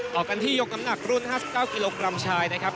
ต่อกันที่ยกน้ำหนักรุ่น๕๙กิโลกรัมชายนะครับ